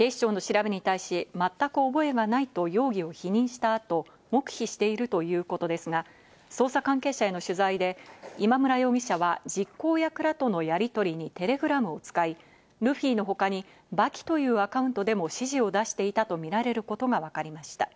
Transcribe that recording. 警視庁の調べに対し、まったく覚えがないと容疑を否認した後、黙秘しているということですが、捜査関係者への取材で今村容疑者は実行役らとのやり取りにテレグラムを使い、ルフィの他に刃牙というアカウントでも指示を出していたとみられることがわかりました。